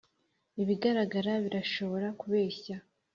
ibigaragara birashobora kubeshya